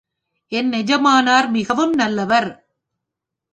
என் எஜமானர் மிகவும் நல்லவர்.